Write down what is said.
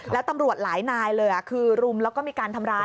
แล้วตำรวจหลายนายเลยคือรุมแล้วก็มีการทำร้าย